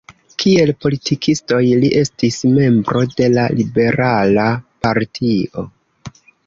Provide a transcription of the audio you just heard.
Kiel politikistoj li estis membro de la liberala partio.